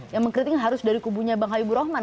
yang mengkritik harus dari kubunya bang habibur rahman